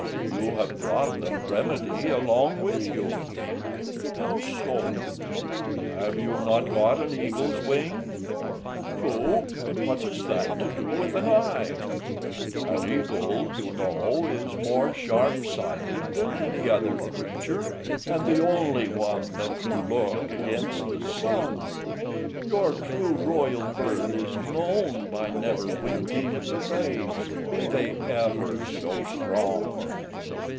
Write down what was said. "You have brought the remedy along with you." "How so?" "Have you not got an eagle's wing?" "True, but what has that to do with an eye?" "An eagle, you know, is more sharp sighted than any other creature, and the only one that can look against the sun: your true royal bird is known by never winking at the rays, be they ever so strong."